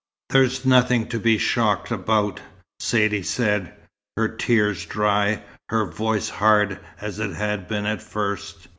"There's nothing to be shocked about," Saidee said, her tears dry, her voice hard as it had been at first.